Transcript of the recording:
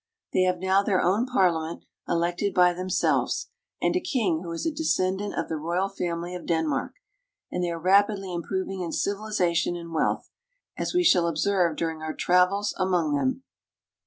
They have now their own Parliament, elected by themselves, and a King who is a descendant of the royal family of Denmark ; and they are rapidly improving in civilization and wealth, as we shall observe during our travels among them.